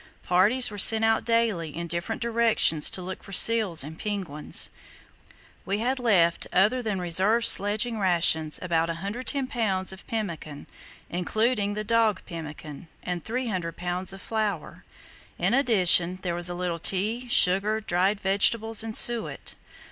Parties were sent out daily in different directions to look for seals and penguins. We had left, other than reserve sledging rations, about 110 lbs. of pemmican, including the dog pemmican, and 300 lbs. of flour. In addition there was a little tea, sugar, dried vegetables, and suet.